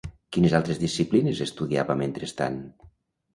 Quines altres disciplines estudiava mentrestant?